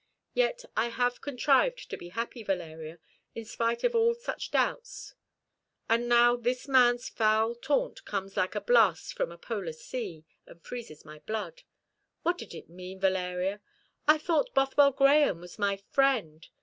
Yet I have contrived to be happy, Valeria, in spite of all such doubts; and now this man's foul taunt comes like a blast from a Polar sea, and freezes my blood. What did it mean, Valeria? I thought Bothwell Grahame was my friend.